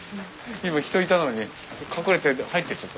今人いたのに隠れて入ってっちゃった。